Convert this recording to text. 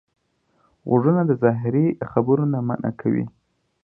غوږونه د زهري خبرو نه منع کوي